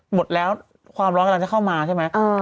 หมดแล้วความร้อนกำลังจะเข้ามาใช่ไหม